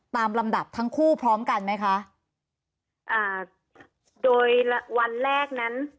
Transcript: ลำดับทั้งคู่พร้อมกันไหมคะอ่าโดยวันแรกนั้น